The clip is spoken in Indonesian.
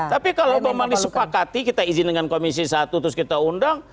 tapi kalau memang disepakati kita izin dengan komisi satu terus kita undang